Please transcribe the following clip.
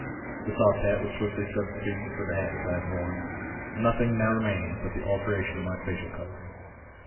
The soft hat was swiftly substituted for the hat which I had worn. Notliing now remained but the alteration in my facial coloring.